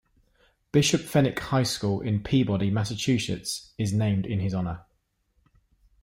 Bishop Fenwick High School in Peabody, Massachusetts is named in his honor.